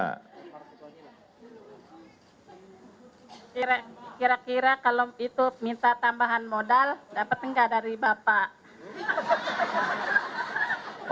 kira kira kalau itu minta tambahan modal dapat nggak dari bapak